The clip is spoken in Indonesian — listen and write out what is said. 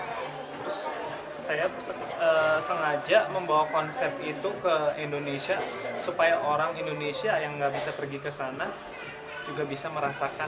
terus saya sengaja membawa konsep itu ke indonesia supaya orang indonesia yang nggak bisa pergi ke sana juga bisa merasakan